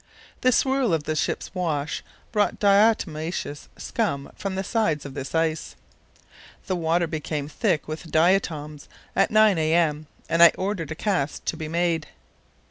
The swirl of the ship's wash brought diatomaceous scum from the sides of this ice. The water became thick with diatoms at 9 a.m., and I ordered a cast to be made.